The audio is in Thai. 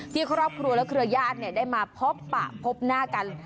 ที่ครอบครัวและเครือญาติได้มาพบปะพบหน้ากัน